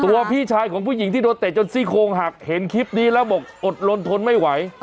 พี่ชายของผู้หญิงที่โดนเตะจนซี่โครงหักเห็นคลิปนี้แล้วบอกอดลนทนไม่ไหว